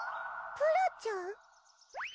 プラちゃん！